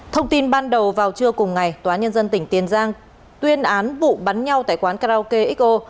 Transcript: thông tin ban đầu vào trưa cùng ngày tòa nhân dân tỉnh tiền giang tuyên án vụ bắn nhau tại quán karaoke xo